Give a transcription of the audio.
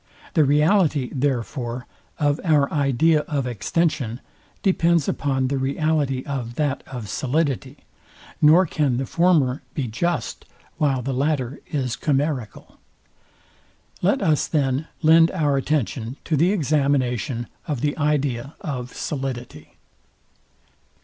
The reality, therefore, of our idea of extension depends upon the reality of that of solidity, nor can the former be just while the latter is chimerical. Let us, then, lend our attention to the examination of the idea of solidity.